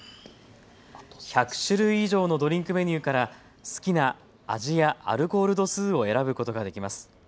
１００種類以上のドリンクメニューから好きな味やアルコール度数を選ぶことができます。